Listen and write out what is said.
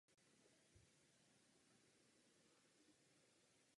Původní návrh Komise byl podstatně oslaben.